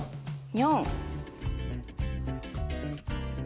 ４。